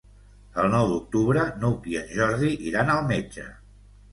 El nou d'octubre n'Hug i en Jordi iran al metge.